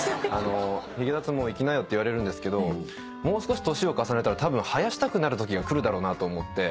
ひげ脱毛行きなよって言われるんですけどもう少し年を重ねたらたぶん生やしたくなるときが来るだろうなと思って。